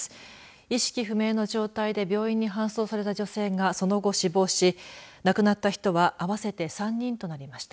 意識不明の状態で病院に搬送された女性がその後、死亡し亡くなった人は合わせて３人となりました。